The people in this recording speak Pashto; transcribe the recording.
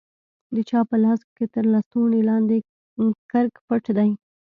د چا په لاس کښې تر لستوڼي لاندې کرک پټ دى.